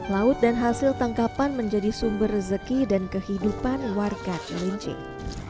laut dan hasil tangkapan menjadi sumber rezeki dan kehidupan warga kelincing